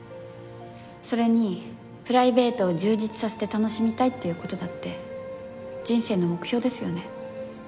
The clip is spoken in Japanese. それにプライベートを充実させて楽しみたいっていう事だって人生の目標ですよね。